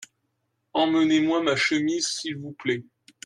Emmenez-moi ma chemise s'il vous plait.